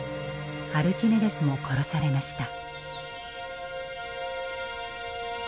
アルキメデスも殺されました。